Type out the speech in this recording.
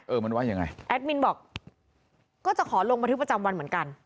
เออมันว่ายังไงแอดมินบอกก็จะขอลงบันทึกประจำวันเหมือนกัน